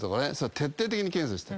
徹底的に検査して。